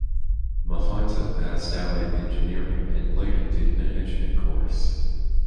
Mahanta passed out in engineering and later did management course.